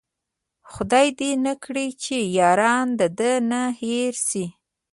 خداې دې نه کړي چې ياران د ده نه هير شي